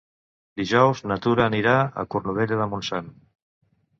Dijous na Tura anirà a Cornudella de Montsant.